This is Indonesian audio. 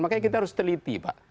makanya kita harus teliti pak